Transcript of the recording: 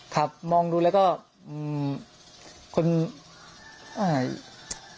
ครับมองดูแล้วก็คนบ้าที่ไม่บ้าเขาจะเรียกว่าอะไรอ่ะ